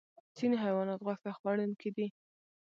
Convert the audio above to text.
ځینې حیوانات غوښه خوړونکي دي